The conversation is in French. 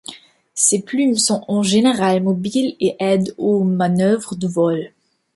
Ces plumes sont en général mobiles et aident aux manœuvres de vol.